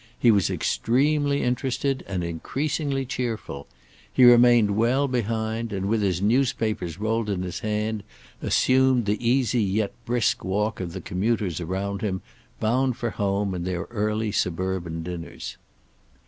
He was extremely interested and increasingly cheerful. He remained well behind, and with his newspaper rolled in his hand assumed the easy yet brisk walk of the commuters around him, bound for home and their early suburban dinners.